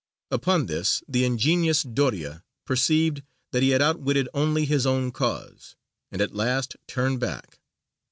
Upon this the ingenious Doria perceived that he had outwitted only his own cause, and at last turned back.